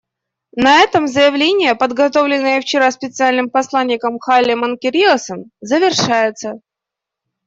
На этом заявление, подготовленное вчера Специальным посланником Хайле Менкериосом, завершается.